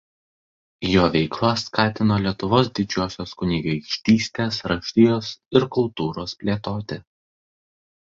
Jo veikla skatino Lietuvos didžiosios kunigaikštystės raštijos ir kultūros plėtotę.